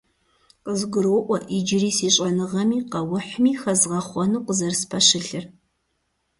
КъызгуроӀуэ иджыри си щӀэныгъэми къэухьми хэзгъэхъуэну къызэрыспэщылъыр.